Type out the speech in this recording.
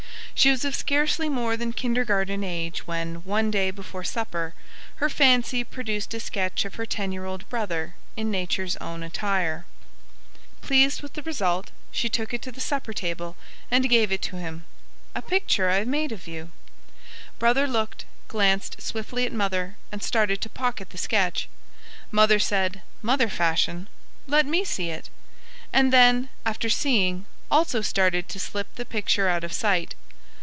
She was of scarcely more than kindergarten age when, one day before supper, her fancy produced a sketch of her ten year old brother in nature's own attire. Pleased with the result, she took it to the supper table and gave it to him "A picture I made of you." Brother looked, glanced swiftly at Mother, and started to pocket the sketch. Mother said, mother fashion, "Let me see it," and then, after seeing, also started to slip the picture out of sight.